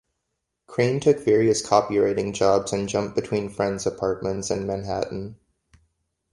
Crane took various copywriting jobs and jumped between friends' apartments in Manhattan.